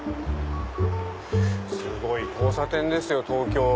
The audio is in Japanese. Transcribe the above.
すごい交差点ですよ東京。